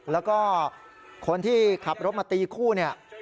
แล้วก็คนที่ขับรถมาตีคู่เนี่ย